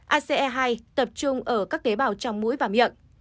ase hai tập trung ở các tế bào trong mũi và miệng